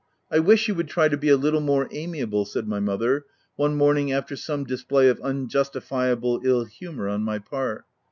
I wish you would try to be a little more amiable," said my mother, one morning after some display of unjustifiable ill humour on my part.